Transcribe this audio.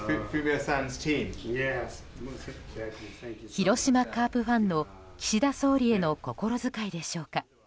広島カープファンの岸田総理への心遣いでしょうか。